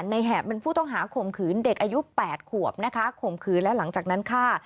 แหบเป็นผู้ต้องหาข่มขืนเด็กอายุ๘ขวบนะคะข่มขืนแล้วหลังจากนั้นฆ่า